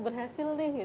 oven dalam kulkas ini